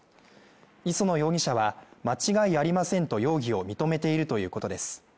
磯野容疑者は、間違いありませんと容疑を認めているということです。